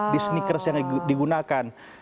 di sneakers yang digunakan